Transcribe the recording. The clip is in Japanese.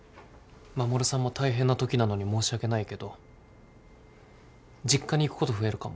衛さんも大変なときなのに申し訳ないけど実家に行くこと増えるかも。